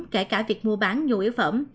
kể cả việc mua bán nhiều yếu phẩm